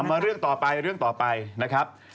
มาเรื่องต่อไปเรื่องต่อไปนะครับ